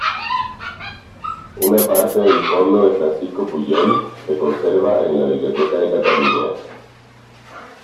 Una parte del fondo de Francisco Pujol se conserva en la Biblioteca de Cataluña.